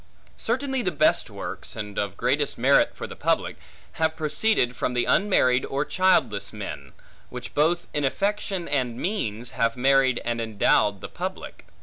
Certainly the best works, and of greatest merit for the public, have proceeded from the unmarried or childless men; which both in affection and means, have married and endowed the public.